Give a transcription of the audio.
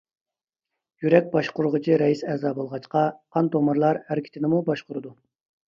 يۈرەك باشقۇرغۇچى رەئىس ئەزا بولغاچقا، قان تومۇرلار ھەرىكىتىنىمۇ باشقۇرىدۇ.